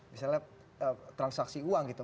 misalnya transaksi uang gitu